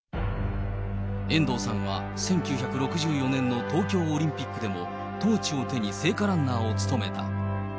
遠藤さんは１９６４年の東京オリンピックでも、トーチを手に聖火ランナーを務めた。